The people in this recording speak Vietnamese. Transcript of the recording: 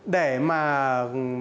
để mà bán tiền